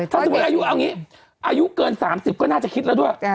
ถ้าสมมุติอายุเอาอย่างนี้อายุเกิน๓๐ก็น่าจะคิดแล้วด้วย